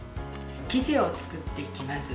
生地を作っていきます。